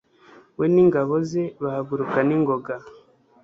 we n'ingabo ze, bahaguruka n,ingoga